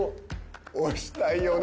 押したいよね。